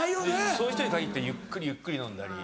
そういう人に限ってゆっくりゆっくり飲んだり。